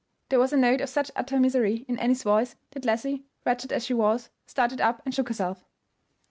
There was a note of such utter misery in Annie's voice that Leslie, wretched as she was, started up and shook herself.